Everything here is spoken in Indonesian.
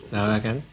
gak lah kan